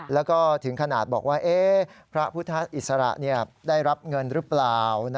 แล้วก็ถึงขนาดบอกว่าพระพุทธอิสระได้รับเงินหรือเปล่า